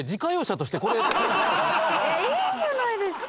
いいじゃないですか。